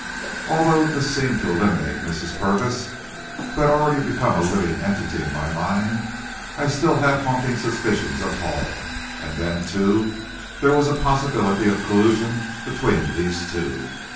Although this seemed to eliminate Mrs. Purvis, who had already become a living entity in my mind, I still had haunting suspicions of Hall; and then, too, there was a possibility of collusion between these two.